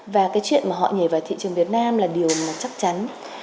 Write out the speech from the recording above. và cái chuyện mà họ nhảy vào thị trường việt nam là điều mà chắc chắn